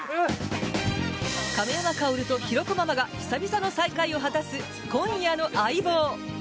亀山薫とヒロコママが久々の再会を果たす今夜の「相棒」。